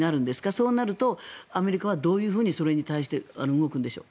そうなるとアメリカはどういうふうにそれに対して動くんでしょう？